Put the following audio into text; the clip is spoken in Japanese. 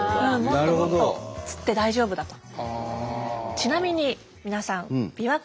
もっともっと釣って大丈夫だと。